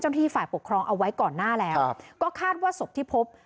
ที่ฝ่ายปกครองเอาไว้ก่อนหน้าแล้วก็คาดว่าศพที่พบ